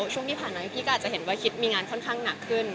ช่วงที่ผ่านมาพี่ก็อาจจะเห็นว่าคิดมีงานค่อนข้างหนักขึ้น